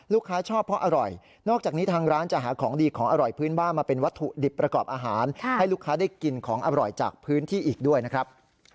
ชอบเพราะอร่อยนอกจากนี้ทางร้านจะหาของดีของอร่อยพื้นบ้านมาเป็นวัตถุดิบประกอบอาหารให้ลูกค้าได้กินของอร่อยจากพื้นที่อีกด้วยนะครับ